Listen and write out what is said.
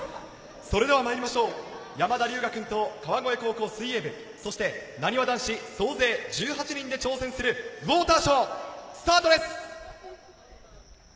それではまいりましょう、山田龍芽くんと川越高校水泳部、そしてなにわ男子、総勢１８人で挑戦するウォーターショー、スタートです。